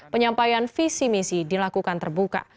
penyampaian visi misi dilakukan terbuka